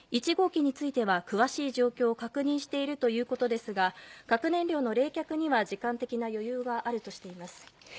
１号機については詳しい状況を確認しているということですが核燃料の冷却には時間的余裕があります。